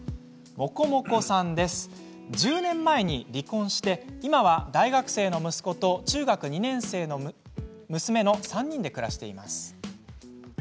１０年前に離婚して今は大学生の息子と中学２年生の娘の３人で暮らしています。